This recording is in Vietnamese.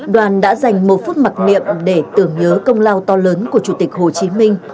đoàn đã dành một phút mặc niệm để tưởng nhớ công lao to lớn của chủ tịch hồ chí minh